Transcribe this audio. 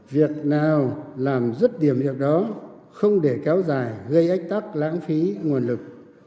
việc nào làm rút điểm được đó không để kéo dài gây ách tắc lãng phí nguồn lực